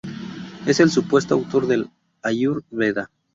Es el supuesto autor del "Āiur-vedá".